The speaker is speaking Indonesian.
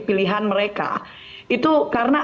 pilihan mereka itu karena